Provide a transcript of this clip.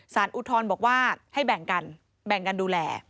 อุทธรณ์บอกว่าให้แบ่งกันแบ่งกันดูแล